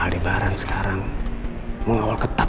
udah tidur gak usah ngeliatin saya